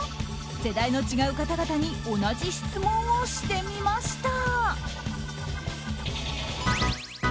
世代の違う方々に同じ質問をしてみました。